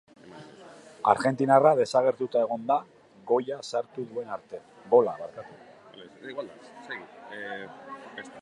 Argentinarra desagertuta egon da, gola sartu duen arte.